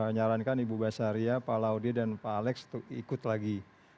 saya menyarankan ibu basaria pak laudie dan pak alex ikut lagi